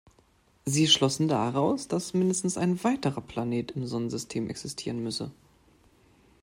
Sie schlossen daraus, dass mindestens ein weiterer Planet im Sonnensystem existieren müsse.